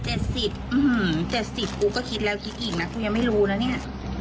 เจ็ดสิบกูก็คิดแล้วคิดอีกนะกูยังไม่รู้นะเนี่ย